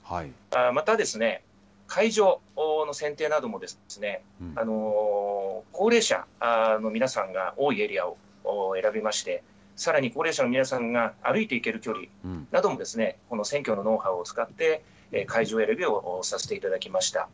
またですね、会場の選定なども、高齢者の皆さんが多いエリアを選びまして、さらに高齢者の皆さんが歩いて行ける距離なども、選挙のノウハウを使って、会場選びをさせていただきました。